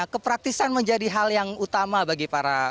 kepraktisan menjadi hal yang utama bagi para